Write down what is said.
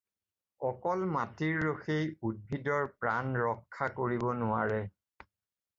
অকল মাটিৰ ৰসেই উদ্ভিদৰ প্ৰাণ ৰক্ষা কৰিব নোৱাৰে।